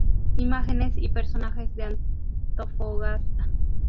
Imágenes y personajes de Antofagasta.